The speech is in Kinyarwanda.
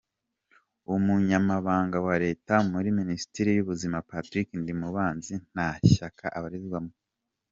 Umunyamabanga wa Leta muri Minisiteri y’ubuzima, Patrick Ndimubanzi Nta shyaka abarizwamo.